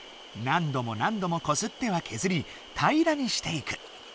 何度も何度もこすってはけずりたいらにしていく。